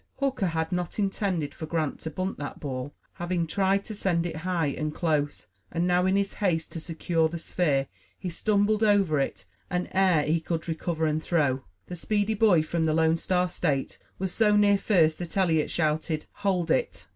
Hooker had not intended for Grant to bunt that ball, having tried to send it high and close; and now in his haste to secure the sphere, he stumbled over it, and ere he could recover and throw, the speedy boy from the Lone Star State was so near first that Eliot shouted, "Hold it!"